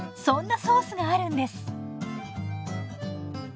そんなソースがあるんです。